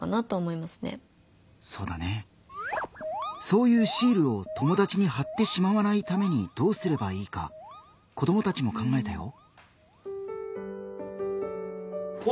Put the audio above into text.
そういう「シール」を友達にはってしまわないためにどうすればいいか子どもたちも考えたよ。